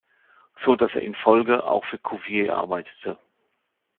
So dass er in Folge auch für Cuvier arbeitete.